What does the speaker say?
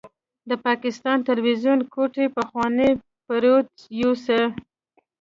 د پاکستان تلويزيون کوټې پخوانی پروديوسر